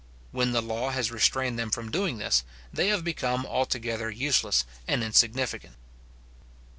When the law has restrained them from doing this, they have become altogether useless and insignificant.